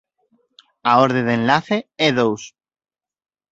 A orde de enlace é dous.